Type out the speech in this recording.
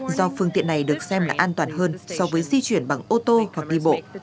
do phương tiện này được xem là an toàn hơn so với di chuyển bằng ô tô hoặc đi bộ